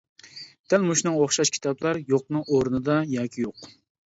دەل مۇشۇنىڭغا ئوخشاش كىتابلار يوقنىڭ ئورنىدا ياكى يوق.